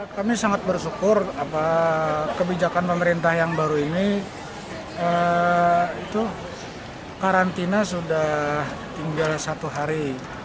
kami sangat bersyukur kebijakan pemerintah yang baru ini karantina sudah tinggal satu hari